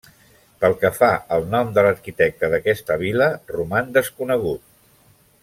Pel que fa al nom de l'arquitecte d'aquesta vil·la, roman desconegut.